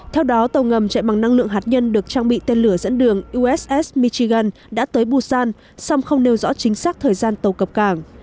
theo đó tàu ngầm chạy bằng năng lượng hạt nhân được trang bị tên lửa dẫn đường uss michigan đã tới busan song không nêu rõ chính xác thời gian tàu cập cảng